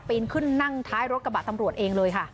นขึ้นนั่งท้ายรถกระบะตำรวจเองเลยค่ะ